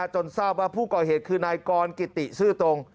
จนทราบว่าผู้ก่อเหตุคือนายกรกิติซื่อตรง